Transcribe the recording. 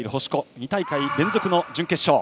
２大会連続の準決勝。